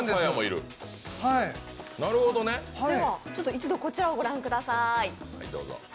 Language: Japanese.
一度こちらをご覧ください。